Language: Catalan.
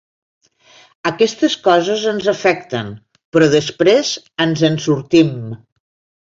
Aquestes coses ens afecten, però després ens en sortim.